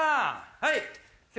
はい。